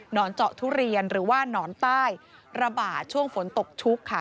เจาะทุเรียนหรือว่านอนใต้ระบาดช่วงฝนตกชุกค่ะ